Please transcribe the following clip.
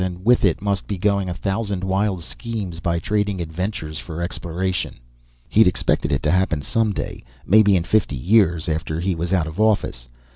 And with it must be going a thousand wild schemes by trading adventurers for exploration! He'd expected it to happen some day, maybe in fifty years, after he was out of the office.